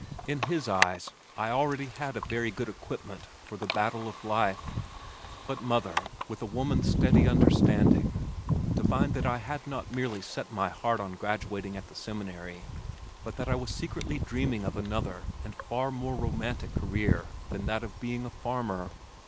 In his eyes I already had a very good equipment for the battle of life, but mother, with a woman's ready understanding, divined that I had not merely set my heart on graduating at the Seminary, but that I was secretly dreaming of another and far more romantic career than that of being a farmer.